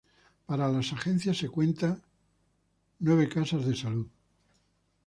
Para las agencias se cuenta nueve casas de salud.